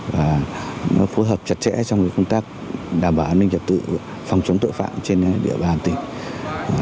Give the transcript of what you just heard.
và nó phối hợp chặt chẽ trong công tác đảm bảo an ninh trật tự phòng chống tội phạm trên địa bàn tỉnh